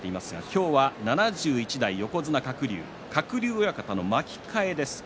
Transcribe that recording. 今日は７１代横綱鶴竜鶴竜親方の巻き替えです。